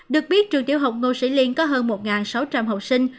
được biết trường tiểu học ngô sĩ liên có hơn một sáu trăm linh học sinh